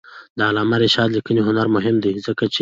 د علامه رشاد لیکنی هنر مهم دی ځکه چې متني نقد کوي.